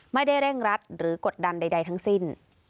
เร่งรัดหรือกดดันใดทั้งสิ้น